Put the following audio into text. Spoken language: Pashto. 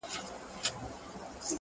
o او بېوفايي ، يې سمه لکه خور وگڼه،